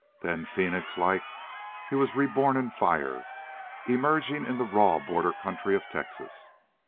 Then, phoenix like, he was reborn in fire, emerging in the raw border country of Texas.